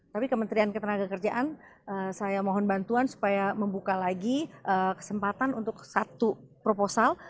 tapi kementerian ketenaga kerjaan saya mohon bantuan supaya membuka lagi kesempatan untuk satu proposal